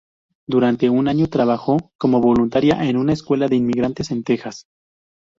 Durante un año trabajó como voluntaria en una escuela de inmigrantes en Tejas.